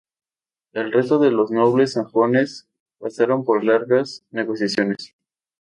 El resto de los nobles sajones pasaron por largas negociaciones.